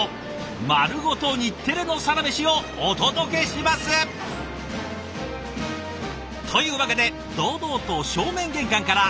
丸ごと日テレの「サラメシ」をお届けします！というわけで堂々と正面玄関から！